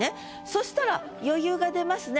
そしたら余裕が出ますね